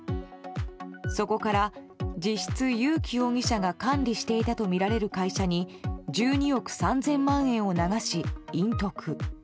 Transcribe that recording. そこから実質、友紀容疑者が管理していたとみられる会社に１２億３０００万円を流し隠匿。